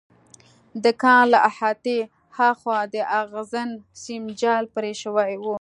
د کان له احاطې هاخوا د اغزن سیم جال پرې شوی و